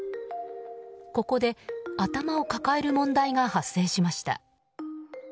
ここで頭を抱える問題が発生しました。